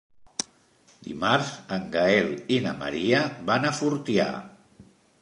Dimarts en Gaël i na Maria van a Fortià.